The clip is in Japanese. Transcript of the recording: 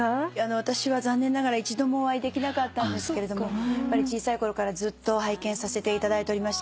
私は残念ながら一度もお会いできなかったんですけど小さいころからずっと拝見させていただいておりました。